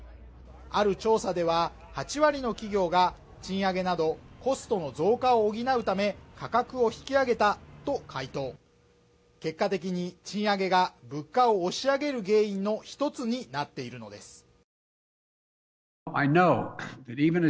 ある調査では８割の企業が賃上げなどコストの増加を補うため価格を引き上げたと回答結果的に賃上げが物価を押し上げる原因の一つになっているのです